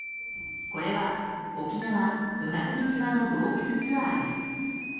これは、沖縄・与那国島の洞窟ツアーです。